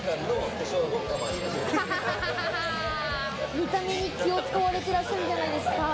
見た目に気を使われてらっしゃるじゃないですか。